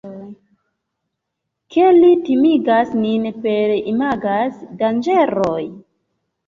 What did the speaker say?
Ke li timigas nin per imagaj danĝeroj?